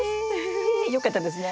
へえよかったですね。